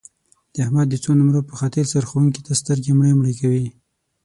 د احمد د څو نمرو په خاطر سرښوونکي ته سترګې مړې مړې کوي.